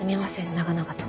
長々と。